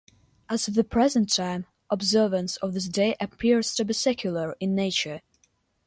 At the present time, observance of this day appears to be secular in nature.